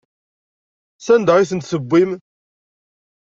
Sanda ay tent-tewwim?